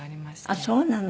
ああそうなの？